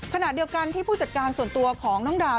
ขณะเดียวกันที่ผู้จัดการส่วนตัวของน้องดาว